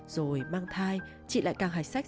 rồi mang thai chị lại càng hạch sách